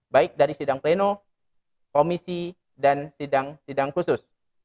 baik dari sidang pleno komisi dan sidang sidang khusus